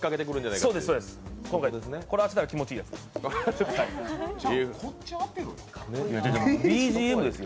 これ、当てたら気持ちいいやつです